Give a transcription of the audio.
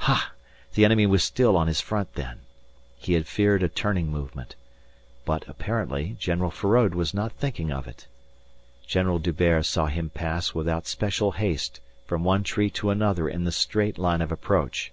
Ha! The enemy was still on his front then. He had feared a turning movement. But, apparently, General Feraud was not thinking of it. General D'Hubert saw him pass without special haste from one tree to another in the straight line of approach.